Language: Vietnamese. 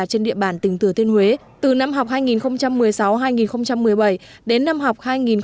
trên địa bản tỉnh thừa thiên huế từ năm học hai nghìn một mươi sáu hai nghìn một mươi bảy đến năm học hai nghìn hai mươi hai nghìn hai mươi một